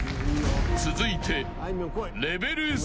［続いて］